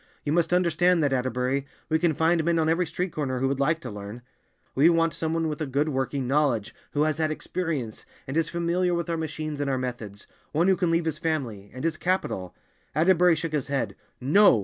"You must understand that, Atterbury! We can find men on every street corner who would like to learn. We want some one with a good working knowledge, who has had experience, and is familiar with our machines and our methods—one who can leave his family—and has capital—" Atterbury shook his head. "No!